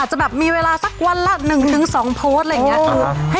อาจจะมีเวลาสักวันละ๑๒โพสต์